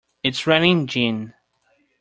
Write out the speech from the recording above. It's raining gin!